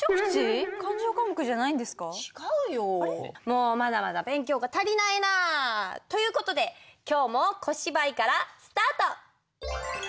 もうまだまだ勉強が足りないな。という事で今日も小芝居からスタート！